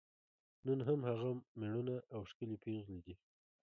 نن هم هغه میړونه او ښکلي پېغلې دي.